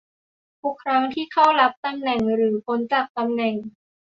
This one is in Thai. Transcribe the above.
ทุกครั้งที่เข้ารับตำแหน่งหรือพ้นจากตำแหน่ง